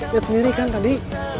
yat sendiri kan tadi